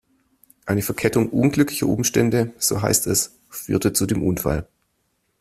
Eine Verkettung unglücklicher Umstände, so heißt es, führte zu dem Unfall.